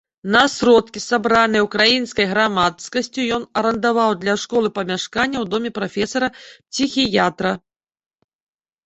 На сродкі, сабраныя ўкраінскай грамадскасцю, ён арандаваў для школы памяшканне ў доме прафесара-псіхіятра.